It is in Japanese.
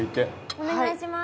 お願いします。